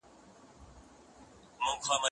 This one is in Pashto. زه به اوږده موده لوبي کوم!؟